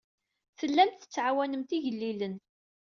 Tellamt tettɛawanemt igellilen.